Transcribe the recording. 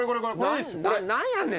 何やねん？